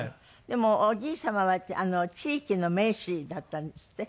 でもおじい様は地域の名士だったんですって？